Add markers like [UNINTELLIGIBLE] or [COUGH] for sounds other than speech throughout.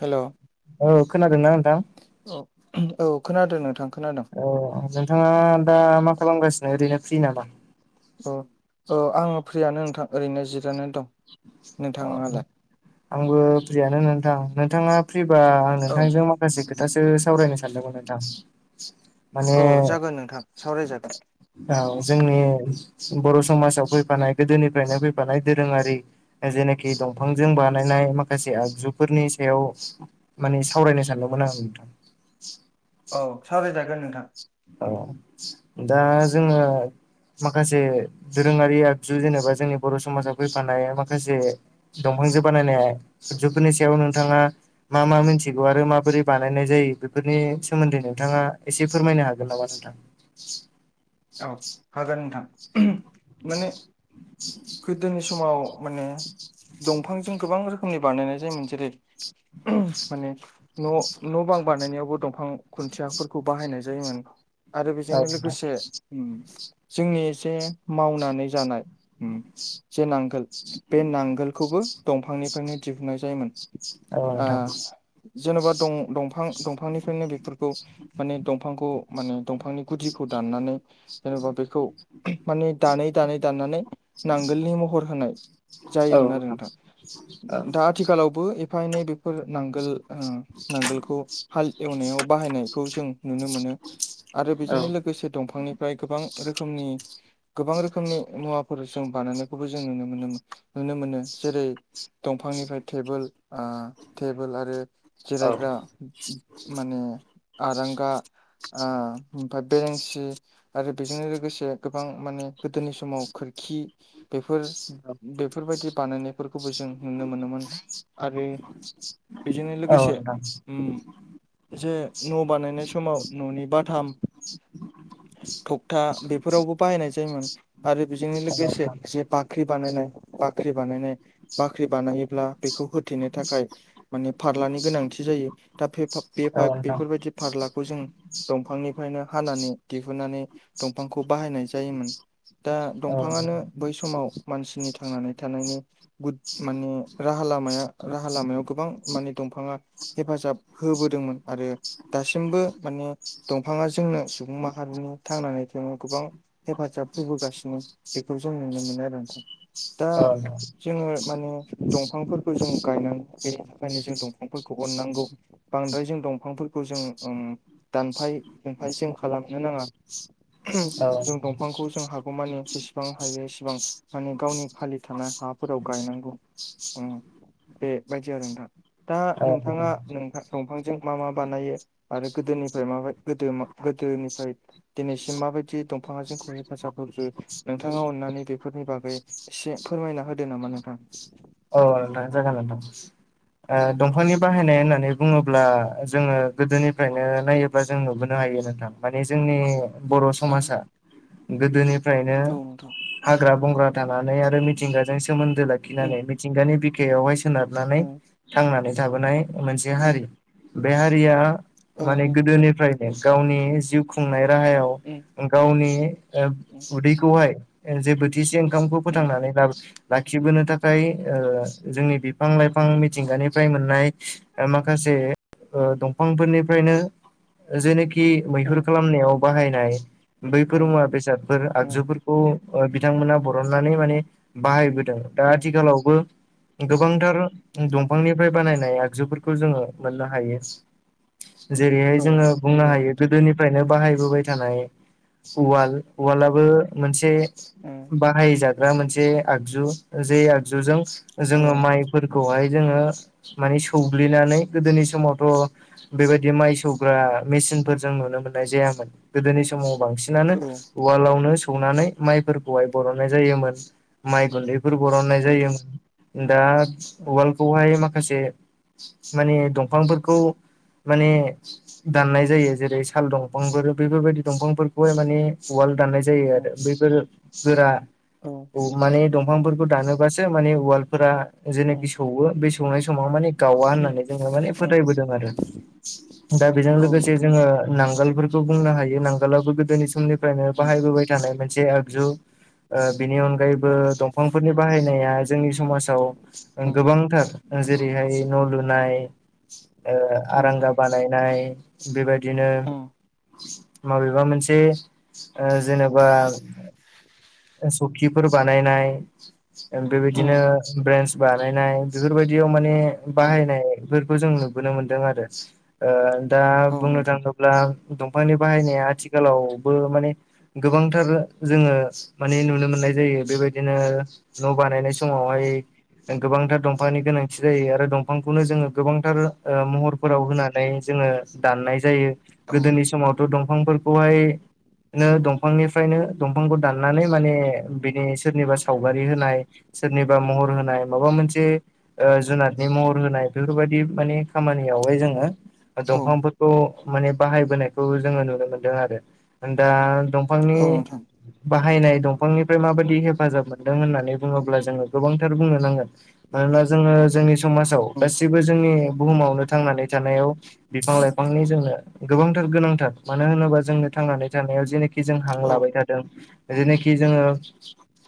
हेल' औ खोनादोंना नोंथां? औ औ खोनादों नोंथां खोनादों। अ नोंथाङा दा मा खालामगासिनो ओरैनो फ्रि नामा? अ अ आं फ्रियानो नोंथां ओरैनो जिरायनानै दं। अ नोंथाङालाय आंबो फ्रियानो नोंथां नोंथाङा फ्रिबा आं औ नोंथांजों मा माखासे खोथासो सावरायनो सानदोंमोन नोंथां माने औ जागोन नोंथां सावरायजागोन औ जोंनि बर' समाजाव फैफानाय गोदोनिफ्रायनो फैफानाय दोरोङारि जेनेखि दंफांजों बानायनाय माखासे आगजुफोरनि सायाव माने सावरायनो सानदोंमोन आं नोंथां औ साबाय जागोन नोंथां अ दा जोङो माखासे दोरोङारि आगजु जेनेबा जोंनि बर' समाजाव फैफानाय माखासे दंफांजो बानायनाय आगजुफोरनि सायाव नोंथाङा मा मा मोनथिगौ आरो माबोरै बानायनाय जायो बेफोरनि सोमोन्दै नोंथाङा एसे फोरमायनो हागोन नामा नोंथां? औ हागोन नोंथां माने गोदोनि समाव माने दंफांजों गोबां रोखोमनि बानायनाय जायोमोन जेरै माने न' न' बां बानायनायावबो दंफां खुन्थियाफोरखौ बाहायनाय जायोमोन। आरो औ बेजोंनो नोंथां लोगोसे जोंनि जे मावनानै जानाय ऊम जे नांगोल बे नांगोलखौबो दंफांनिफ्रायनो दिहुननाय जायोमोन। औ नोंथां औ जेनेबा दं दंफां दंफांनिफ्रायनो बेफोरखौ माने दंफांखौ माने दंफांनि गुदिखौ दाननानै जेनेबा बेखौ माने दानै दानै दाननानै नांगोलनि महर होनाय औ जायोमोन आरो औ नोंथां औ नोंथां नोंथां दा आथिखालावबो एफा एनै बे फोर नांगोल ओ नांगोलखौ हाल एवनायाव बाहायनायखौ जों नुनो मोनो। आरो बेजोंनो लोगोसे दंफांनिफ्राय गोबां रोखोमनि गोबां रोखोमनि मुवाफोर जों बानायनायखौबो जों नुनो मोनो नुनो मोनो जेरै दंफांनिफ्राय टेबोल ओ टेबोल आरो औ जिरायग्रा माने आरांगा ओ ओमफ्राय बेरेंसि आरो बेजोंनो लोगोसे गोबां माने गोदोनि समाव खोरखि बेफोर बेफोरबायदि बानायनाय फोरखौबो जों नुनो मोनोमोन आरो बेजोंनो नोंथां औ नोंथां औ लोगोसे नोंथां जे न' बानायनाय समाव न'नि बाथाम थखथा बेफोरावबो बाहायनाय जायोमोन। आरो बेजोंनो लोगोसे जे बाख्रि बानायनाय बाख्रि बानायनाय बाख्रि बानायोब्ला बेखौ होथेनो थाखाय माने फारलानि गोनांथि जायो दा [UNINTELLIGIBLE] औ बेफार बेफोरबायदि फारलाखौ जों दंफांनिफ्रायनो हानानै दिहुननानै दंफांखौ बाहायनाय जायोमोन दा दंफाङानो बै समाव मानसिनि थांनानै थानायनि उद माने राहा लामाया राहा लामायाव गोबां माने दंफाङा हेफाजाब होबोदोंमोन आरो दासिमबो माने दंफाङा जोंनो सुबुं मा हारिनि थांनानै थनो गोबां हेफाजाब होबोगासिनो बेखौ जों नुनो मोनो आरो नोंथां दा औ जोङो माने दंफांफोरखौ जों गायनांगौ बेनि थाखायनो जों दंफांफोरखौ अननांगौ बांद्राय जों दंफांफोरखौ जों ओम दानफाय दुनफाय जों खालाम नो नाङा जों दंफांखौ जों हागौमानि जेसेबां हायो एसेबां माने गावनि खालि थानाय हा फोराव गायनांगौ उम बेबायदि आरो नोंथां दा नोंथाङा नोंथां दंफांजों मा मा बानायो आरो गोदोनिफ्राय माबाय गोदो मा गोदोनि ओमफ्राय दिनैसिम माबायदि दंफाङा जोंखौ हेफाजाब होखो नोंथाङा अननानै बेफोरनि बागै एसे फोरमायना होदो नामा नोंथां औ नोंथां जागोन नोंथां ओ दंफांनि बाहायनाय होननानै बुङोब्ला जोङो गोदोनिफ्रायनो नायो बा जों नुबोनो हायो नोंथां माने जोंनि बर' औ समाजा गोदोनिफ्रायनो नोंथां हाग्रा बंग्रा थानानै आरो मिथिंगाजों सोमोन्दो उम लाखिनानै मिथिंगानि बिखायावहाय सोनारनानै उम थांनानै थाबोनाय मोनसे उम हारि बे हारिया औ माने नोंथां गोदोनिफ्रायनो गावनि जिउ खुंनाय राहायाव उम गावनि ओ उम उदैखौहाय जे बोथिसे दंफांखौ उम फोथांनानै ला लाखिबोनो थाखाय जोंनि बिफां लाइफां मिथिंगानिफ्राय मोननाय माखासे ओ दंफांफोरनिफ्रायनो जेनोखि मैहुर उम खालामनायाव बाहायनाय बैफोर उम मुवा बेसादफोर उम आगजुफोरखौ ओ बिथांमोना बरननानै माने बाहायबो दा उम आथिखालावबो उम गोबांथार दंफांनिफ्राय बानायनाय आगजुफोरखौ जोङो मोननो हायो जेरैहाय औ जोङो बुंनो नंगौ हायो नोंथां गोदोनिफ्रायनो बाहायबोबाय थानाय उवाल उम उवालाबो मोनसे उम बाहायजाग्रा मोनसे आगजु जे आग जुजों औ जोङो माइफोरखौहाय जोङो माने सौग्लिनानै गोदोनि समावथ' बेबायदि माइ सौग्रा मेसिनफोर जों नुनो मोननाय जायामोन गोदोनि समाव बांसिना नो औ उवालावनो सौनानै माइफोरखौहाय बरननाय जायोन माइ गुन्दैफोर बरन औ नोंथां जायोमोन दा उम उवालखौहाय माखासे माने दंफांफोरखौ माने दाननाय जायो जेरै साल दंफांफोर बेफोरबायदि दंफांफोरखौ बेफोरखौहाय माने वाल दाननाय जायो आरो उम बैफोर गोरा औ औ माने दंफांफोरखौ दानोबासो माने उवालफोरा जायनाखि उम सौवो बे सौनाय समाव माने गावा उम होननानै जोङो माने औ फोथायबोदों आरो दा बेजों औ लोगोसे नोंथां जोङो नांगोलफोर खौ बुंनो हायो नांगालाबो गोदोनि समनिफ्रायनो औ बाहायबोबाय थानाय मोनसे आगजु ओ बिनि अनगायैबो औ दंफांफोरनि बाहायनाय नाया जोंनि समाजाव उम गोबांथार जेरैहाय न' लुनाय ओ उम आरांगा बानायनाय बेबायदिनो उम माबेबा मोनसे ओ जेनेबा सखिफोर बानायनाय बेबायदिनो उम ब्रेन्स बानायनाय बेफोरबायदियाव माने उम बाहायनायफोर खौ जों नुबोनो मोनदों आरो ओ दा औ बुंनो नोंथां थाङो ब्ला दंफांनि बाहायनाया आथिखालावबो माने गोबांथार जोङो माने नुनो मोननाय जायो बेबायदिनो न' बानायनाय समावहाय उम गोबांथार दंफांनि गोनांथि जायो आरो दंफांखौनो जोङो गोबांथार उम महरफोराव होनानै जोङो दाननाय जायो औ गोदोनि समाव थ दंफांफोरखौहाय नो दंफांनिफ्रायनो दंफांखौ दाननानै माने बिनि सोरनिबा साव गारि होनाय सोरनिबा महर होनाय माबा मोनसे जुनारनि महर होनाय बेफोरबायदि माने खामानियावहाय जोङो औ दंफांफोरखौ माने बाहायबोनायखौ जोङो नुनो मोनदों आरो दा दंफांनि औ नोंथां बाहायनाय दंफांनिफ्राय माबायदि हेफाजाब मोनो होननानै बुङोब्ला जोङो गोबांथार बुंनो नांगोन मानोना जोङो जोंनि समाजाव उम गासिबो बो जोंनि बुहुमावनो थांनानै थानायाव बिफां लाइफांनि जोंनो गोबांथार गोनांथार मानो होनोबा जोंनो थांनानै थानाया जानाखि जों हां औ लाबाय थादों जायनाखि जोङो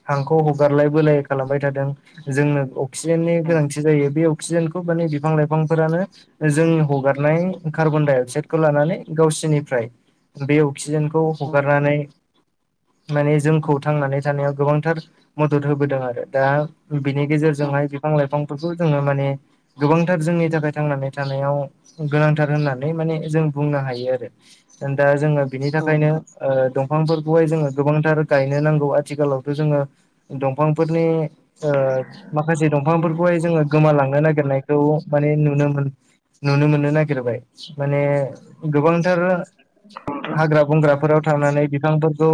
हांखौ हगारलाय बोलाय खालामबाय थादों जोंनो अक्सिजेननि उम गोनांथि जायो बे अक्सिजेनखौ माने बिफां लाइफांफोरानो जों हगारनाय कार्बन डाइ अक्साइदखौ लानानै गावसोरनिफ्राय बे अक्सिजेनखौ उम हगारनानै माने जोंखौ थांनानै थानायाव गोबांथार मदद होबोदों आरो दा बिनि उम गेजेरजोंहाय बिफां लाइफांफोरखौ जोङो माने गोबांथार जोंनि थाखाय थांनानै थानायाव गोनांथार होननानै माने जों बुंनो हायो आरो दा जोङो बिनि औ थाखायनो नोंथां दंफांफोरखौहाय जोङो गोबांथार गायनो नांगौ आथिखालावथ' जोङो दंफांफोरनि माखासे दंफांफोरखौहाय जोङो गोमालांनो नागिरनायखौ माने नुनो मोनो नुनो मोननो नागिरबाय माने गोबांथार हाग्रा बंग्राफोराव थांनानै बिफांफोरखौ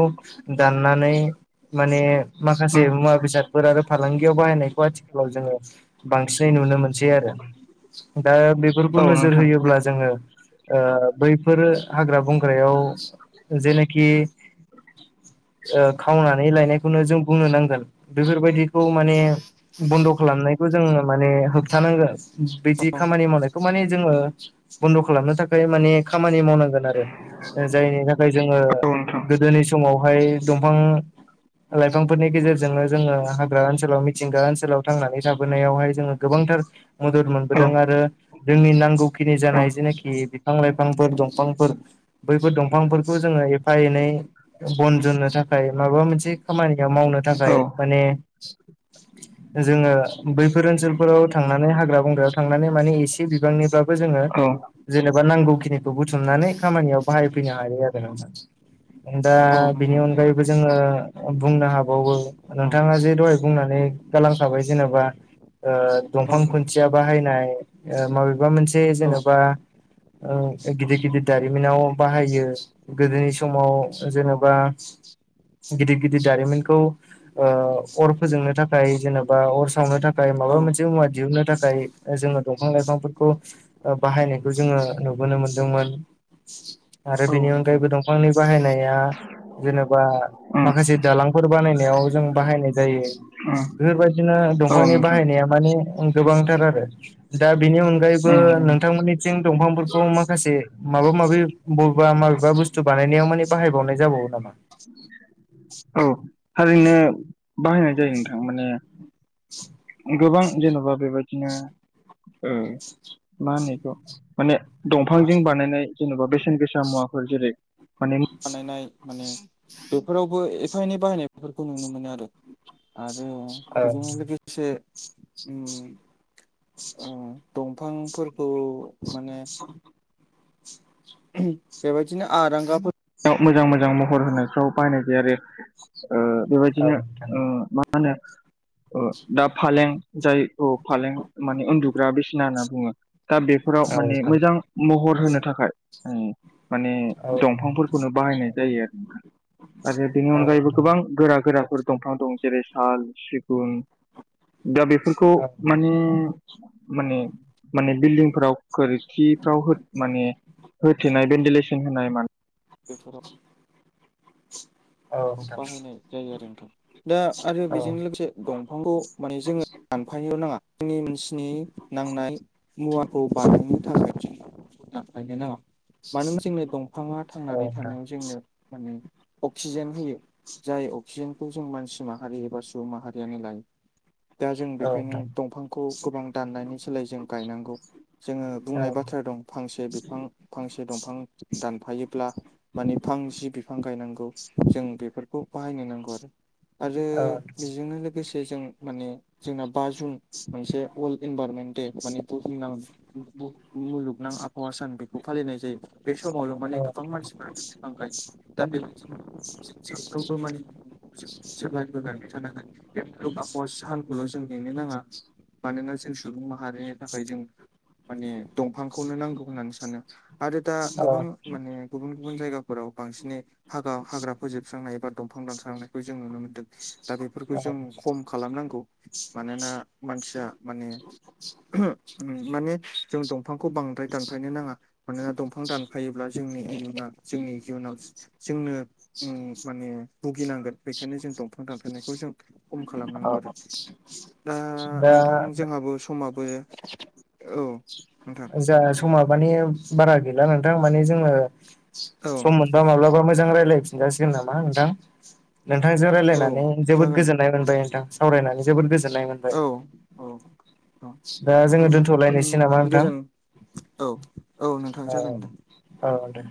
दाननानै माने माखासे उम मुवा बेसादफोर आरो फालांगियाव बाहायनायखौ आथिखालाव जोङो बांसिनै नुनो मोनसै आरो दा बेफोरखौ औ नोजोर नोंथां होयोब्ला जोङो बैफोर हाग्रा बंग्रायाव जेनोखि खावनानै लायनायखौनो जों बुंनो नांगोन बेफोरबायदिखौ माने बन्द' खालामनायखौ जोङो माने होबथानांगोन बिदि औ खामानि मावनायखौ माने जोङो बन्द' खालामनो थाखाय माने खामानि मावनांगोन आरो जायनि थाखाय जोङो नोंथां गोदोनि समावहाय दंफां लाइफां फोरनि गेजेरजोंनो जोङो हाग्रा ओनसोलाव मिथिंगा ओनसोलाव थांनानै थाबोनायावहाय जोङो गोबांथार मदद औ मोनबोदों आरो जोंनि नांगौखिनि औ जानाय जेनाखि बिफां लाइफांफोर दंफांफोर बैफोर दंफांफोरखौ जोङो एफा एनै बन जानो थाखाय माबा मोनसे खामानि मावनो औ थाखाय माने जोङो बैफोर ओनसोलफोराव थांनानै हाग्रा बंग्रायाव थांनानै माने एसे बिबांनिब्लाबो जोङो औ जेनेबा नांगौ खिनिखौ बुथुमनानै खामानियाव बाहायफैनो हायो आरो नोंहा दा औ बिनि नोंथां अनगायैबो जोङो बुंनो हाबावो औ नोंथाङा जे दहाय बुंनानै गालांखाबाय जेनेबा औ दंफां नोंथां खुन्थिया बाहायनाय माबेबा मोनसे औ जेन'बा गिदिर गिदिर दारिमिनाव बाहायो गोदोनि समाव औ जेनेबा गिदिर गिदिर दारिमिनखौ अर फोजोंनो थाखाय जेनेबा अर सावनो थाखाय औ माबा मोनसे मुवा दिहुननो थाखाय जोङो दंफां लाइफांफोरखौ बाहायनायखौ जोङो नुबोनो मोनदोंमोन आरो औ बेनि नोंथां अनगायैबो दंफांनि बाहायनाया जेनेबा उम माखासे दालांफोर बानायनायाव जों बाहायनाय जायो। उम बेफोरबायदिनो औ दंफांनि नोंथां बाहायनाया माने गोबांथार आरो दा बेनि अनगायैबो उम नोंथांमोननिथिं दंफांफोरखौ माखासे माबा माबि बबेबा माबेबा बुस्थु बानायनायाव माने बाहायबावनाय जाबावो नामा औ [INAUDIBLE] थारैनो बाहायनाय जायो नोंथां माने गोबां जेन'बा बेबायदिनो मा होनोखौ माने दंफांजों बानायनाय जेन'बा बेसेन गोसा मुवाफोर जेरै माने बानायनाय माने बेफोरावबो एफा एनै बाहायनायफोरखौ नुनो मोनो आरो आरो औ बेजोंनो लोगोसे उम बिफांफोरखौ माने बेबायदिनो आरांगाफोर मोजां मोजां महर होनायफ्राव बाहायनाय जायो आरो औ बेबायदिनो नोंथां मा होनो दा फालें जाय फालें माने उन्दुग्रा बिसिना होनना बुंङो दा बेफोराव माने मोजां महर होनो थाखाय माने औ नोंथां औ नोंथां औ नोंथां औ दंफांफोरखौनो बाहायनाय जायो आरो आरो बेनि औ नोंथां औ नोंथां औ अनगायैबो गोबां गोरा गोराफोर दंफां दं जेरै साल सिगुन दा बेफोरखौ औ माने माने माने बिल्डिंफ्राव खोरखिफ्राव माने होथेनाय भेन्टिलेसन होनाय मानाय बे बाहायनाय जायो आरोथ' दा आरो बेजों लोगोसे दंफांखौ माने जोंङो दानफानायल' नांङा आंनि मोनसिनि नांनाय मुवाखौ बानायहनो थाखाय थिन [UNINTELLIGIBLE] मानो होनबा जोंनो दंफाङा थांनानै थानायाव जोंनो माने अक्सिजेन होयो जाय अक्सिजेनखौ जों मानसि माहारि एबा सुबुं माहारियानो लायो। दा जों बेखायनो दंफांखौ गोबां दाननायनि सोलाय जों गायनांगौ जोंङो बुंनाय बाथ्रा दं फांसे बिफां फांसे दंफां दानफायोब्ला माने फांसे बिफां गायनांगौ जों बेफोरखौ बाहायनो नांगौ आरो आरो बेजोंनो लोगोसे जों माने जोंना बा जुन मोनसे वर्ल्ड इनभाररमेन्ट दे माने मुलुगनां आबाहावा सान बेखौ फालिनाय जायो बे समावनो माने गोबां मानसिफोरानो बिफां गायो। दा बेबायदि माने सप्लायबो गारनानै थानांगोन सानखौल' जों लेंनो नांङा मानोना जों सुबुं माहारिनि थाखाय जों माने दंफांखौनो नांगौ होननानै सानो आरो दा गोबां माने गुबुन गुबुन जायगाफोराव बांसिनै हाग्रा हाग्रा फोजोबस्रांनाय एबा दंफां दानस्रांनायखौ जों नुनो मोनदों दा बेफोरखौ जों खम खालामनांगौ मानोना मानसिया माने माने जों दंफांखौ बांद्राय दानफायनो नांङा। मानोना दंफां दानफायोब्ला जोंनि इया जोंनि इयुनाव जोंनो माने भुगिनांगोन बेखायनो जों दंफां दानफेरनायखौ जों खम औ खालामनांगौ औ आरोखि दा दा नोंथां जोंहाबो समाबो औ नोंथां जा समा माने बारा गैला नोंथां माने जोंङो औ सम मोनबा माब्लाबा मोजां रायजलाय फिनजासिगोन नामा नोंथां नोंथांजों औ रायजलायनानै जोबोद जागोन गोजोननाय मोनबाय नोंथां सावरायनानै जोबोद गोजोननाय मोनबाय औ औ औ दा जोंङो हामब दोनथ'लायनोसै नामा नोंथां गोजोन औ औ नोंथां जागोन दे औ दे